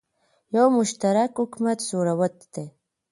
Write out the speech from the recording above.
یو مشترک حکومت زوروت ده